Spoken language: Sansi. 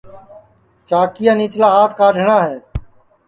چاکِیا نِیچلا ہات کاڈؔٹؔا ہے